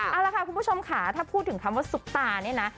เอาล่ะค่ะคุณผู้ชมค่ะถ้าพูดถึงคำว่าซุปตาเนี่ยนะ